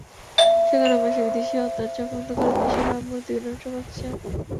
সেখানে বসে বিদেশি হত্যার চক্রান্ত করে দেশের ভাবমূর্তি বিনষ্ট করতে চান।